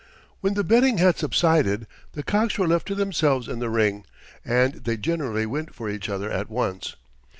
When the betting had subsided the cocks were left to themselves in the ring, and they generally went for each other at once.